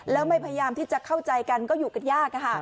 แล้วไม่พยายามที่จะเข้าใจกันก็อยู่กันยาก